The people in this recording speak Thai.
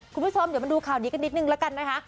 คุณผู้ชมเดี๋ยวมาดูข่าวนี้กันนิดนึงแล้วกันนะคะ